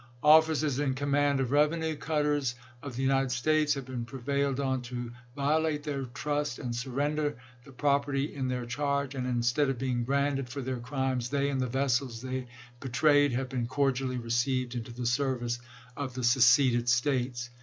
Officers in command of revenue cutters of the United States have been prevailed on to violate their trust and surrender the property in their charge, and instead of being branded for their crimes, they and the vessels they betrayed have been cordially received into the service of the seceded States.